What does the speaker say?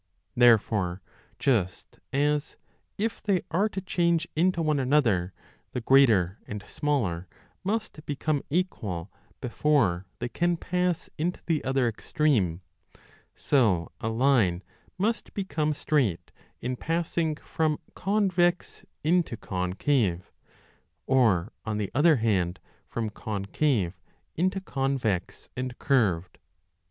Therefore just as, if they are to change into one another, the greater and smaller must become equal before they can 848* pass into the other extreme ; so a line must become straight in passing from convex into concave, or on the other hand from concave into convex and curved.